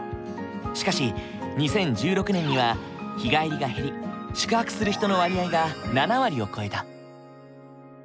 しかし２０１６年には日帰りが減り宿泊する人の割合が７割を超えた。